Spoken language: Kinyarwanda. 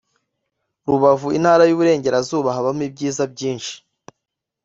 rubavu intara y iburengerazuba habamo ibyiza byishi